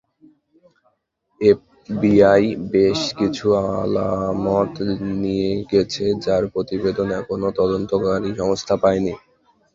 FBI বেশ কিছু আলামত নিয়ে গেছে, যার প্রতিবেদন এখনো তদন্তকারী সংস্থা পায়নি।